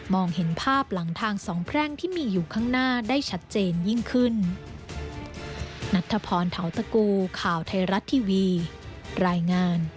เห็นภาพหลังทางสองแพร่งที่มีอยู่ข้างหน้าได้ชัดเจนยิ่งขึ้น